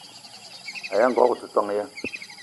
Aya ngogo o te ton ya?